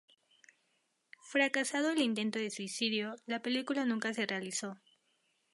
Fracasado el intento de suicidio, la película nunca se realizó.